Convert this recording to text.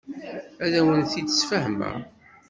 Ad awen-t-id-sfehmeɣ.